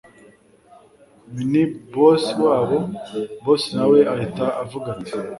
mni boss wabo boss nawe ahita avuga ati